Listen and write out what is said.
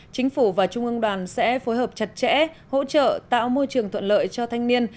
chính phủ và trung ương đoàn sẽ phối hợp chặt chẽ hỗ trợ tạo môi trường thuận lợi cho thanh niên